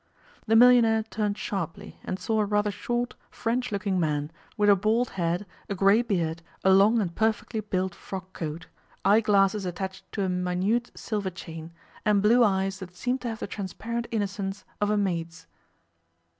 The millionaire turned sharply, and saw a rather short, French looking man, with a bald head, a grey beard, a long and perfectly built frock coat, eye glasses attached to a minute silver chain, and blue eyes that seemed to have the transparent innocence of a maid's.